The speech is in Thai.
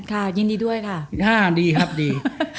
ยินดีด้วยค่ะดีครับดี